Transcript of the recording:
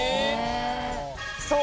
そう！